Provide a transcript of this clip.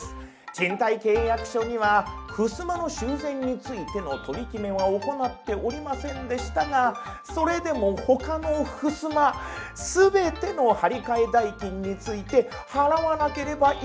賃貸契約書にはふすまの修繕についての取り決めは行っておりませんでしたがそれでも他のふすま全ての張り替え代金について払わなければいけないんでしょうか？